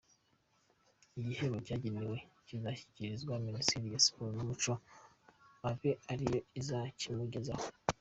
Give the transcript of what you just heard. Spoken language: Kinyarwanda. Igihembo yagenewe kizashyikirizwa Minisiteri ya Siporo n’Umuco abe ari yo izakimugezaho.